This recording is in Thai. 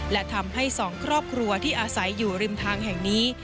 และทำให้สองครอบครัวที่อาศัยอยู่ริมทางแห่งนี้